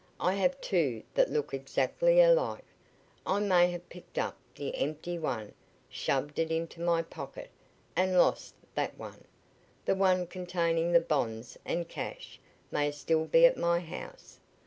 I have two that look exactly alike. I may have picked up the empty one, shoved it into my pocket, and lost that one. The one containing the bonds and cash may still be at my house.